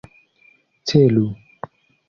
Celu!